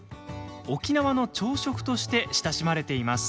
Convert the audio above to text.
沖縄の朝食として親しまれています。